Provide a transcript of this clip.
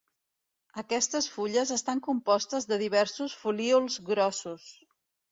Aquestes fulles estan compostes de diversos folíols grossos.